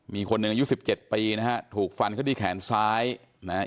มีคนหนึ่งอายุสิบเจ็ดปีนะฮะถูกฟันเขาที่แขนซ้ายนะฮะ